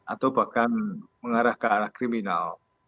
atau bahkan mengarah ke arah kriminal